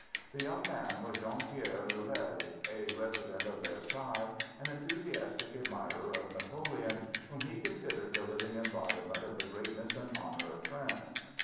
This young man was Jean Pierre Louvel, a resident of Versailles, an enthusiastic admirer of Napoleon, whom he considered the living embodiment of the greatness and honor of France.